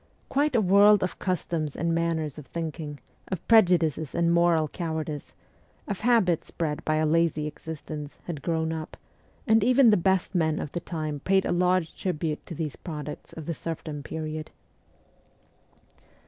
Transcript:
Quite a world of customs and manners of thinking, of prejudices and moral cowardice, of habits bred by a lazy existence, had grown up ; and even the best men of the time paid a large tribute to these products of the serfdom period.